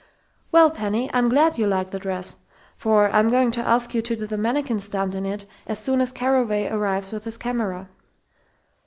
"Well, Penny, I'm glad you like the dress, for I'm going to ask you to do the mannikin stunt in it as soon as Carraway arrives with his camera."